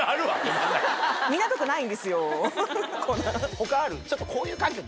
他ある？